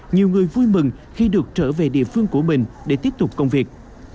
nhiều người vui mừng khi được trở về địa phương của mình để tiếp tục công việc